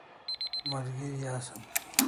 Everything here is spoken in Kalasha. Malgeri asan